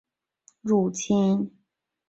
孙权也调集水军阻止曹魏入侵。